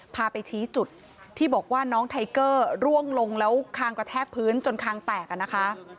พาไปชี้จุดที่บอกว่าน้องไทเกอร์ร่วงลงแล้วคางกระแทกพื้นจนคางแตกอ่ะนะคะ